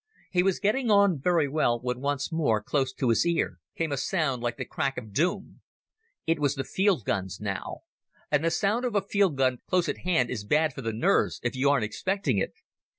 He was getting on very well, when once more, close to his ear, came a sound like the crack of doom. It was the field guns now, and the sound of a field gun close at hand is bad for the nerves if you aren't expecting it.